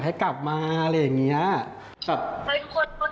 ใช่ค่ะคือไม่ได้มีมาตรการใดออกมา